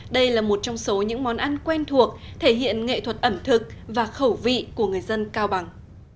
đây là một trong số những món ăn quen thuộc thể hiện nghệ thuật ẩm thực và khẩu vị của người dân cao bằng